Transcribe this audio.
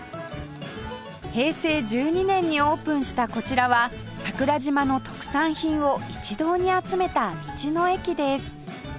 平成１２年にオープンしたこちらは桜島の特産品を一堂に集めた道の駅です